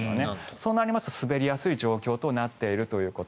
そうなると滑りやすい状況となっているということ。